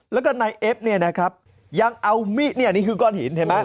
แล้วก็นายเอฟเนี่ยนะครับยังเอามิเนี่ยนี่คือก้อนหินเห็นไหม